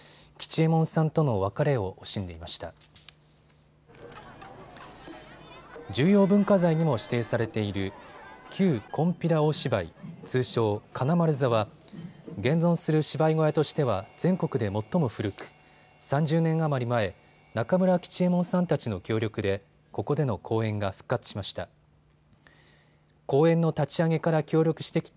重要文化財にも指定されている旧金毘羅大芝居、通称、金丸座は現存する芝居小屋としては全国で最も古く、３０年余り前、中村吉右衛門さんたちの協力でここでの公演が復活しました。